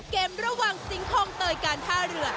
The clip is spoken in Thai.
เกมระหว่างสิงคลองเตยการท่าเรือ